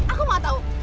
aku mau tau